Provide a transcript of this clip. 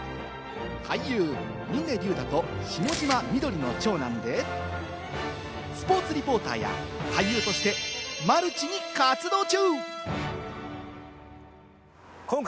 俳優・峰竜太と下嶋みどりの長男でスポーツリポーターや俳優として、マルチに活動中。